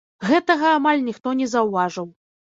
Гэтага амаль ніхто не заўважыў.